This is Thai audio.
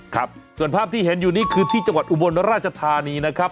ครับส่วนภาพที่เห็นอยู่นี่คือที่จังหวัดอุบลราชธานีนะครับ